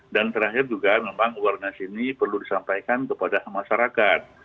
dan terakhir juga memang uang nasi ini perlu disampaikan kepada masyarakat